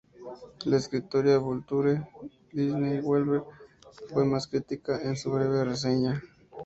La escritora de Vulture, Lindsey Weber, fue más crítica en su breve reseña.